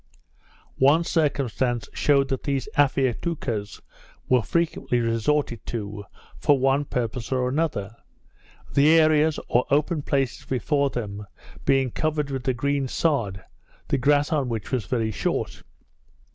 One circumstance shewed that these Afiatoucas were frequently resorted to, for one purpose or other the areas, or open places, before them, being covered with a green sod, the grass on which was very short.